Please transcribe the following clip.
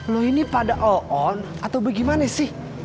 lo ini pada oon atau bagaimana sih